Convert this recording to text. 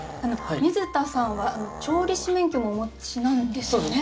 水田さんは調理師免許もお持ちなんですよね？